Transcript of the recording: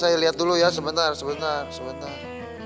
saya lihat dulu ya sebentar sebentar